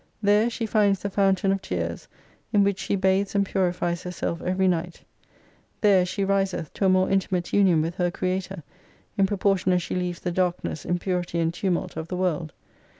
There, she finds the fountain of tears, in which she bathes and purifies herself every night : there, she risetli to a more intimate union with her Creator, in proportion as she leaves the darkness, impurity, and tumult of the world.